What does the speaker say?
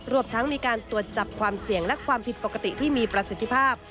รวมทั้งมีการตรวจจับความเสี่ยงและความผิดปกติที่มีประสิทธิภาพ